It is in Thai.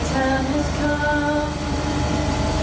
แล้วก็ร้องเพลงโปรดให้กับพ่อฟัง